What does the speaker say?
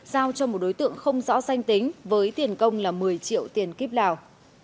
giao cho một đối tượng không rõ danh tính với tiền công là một mươi triệu tiền kíp lào